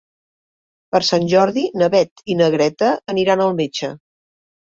Per Sant Jordi na Beth i na Greta aniran al metge.